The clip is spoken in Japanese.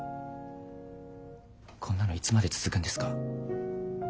こんなのいつまで続くんですか？